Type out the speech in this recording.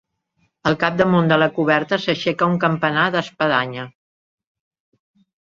Al capdamunt de la coberta s'aixeca un campanar d'espadanya.